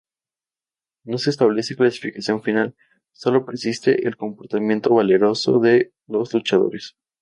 No se establece clasificación final, sólo persiste el comportamiento valeroso de los luchadores.